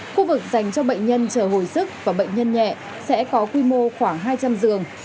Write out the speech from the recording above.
khu vực dành cho bệnh nhân chờ hồi sức và bệnh nhân nhẹ sẽ có quy mô khoảng hai trăm linh giường